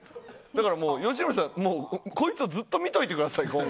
だから吉村さんこいつをずっと見といてください。